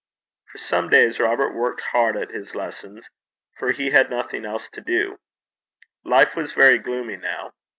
For some days Robert worked hard at his lessons, for he had nothing else to do. Life was very gloomy now.